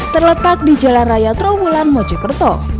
terletak di jalan raya trawulan mojokerto